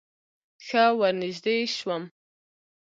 ښه ورنژدې سوم.